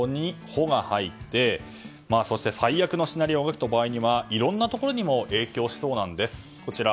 「ホ」が入って最悪のシナリオが起きた場合いろいろなところにも影響しそうなんです。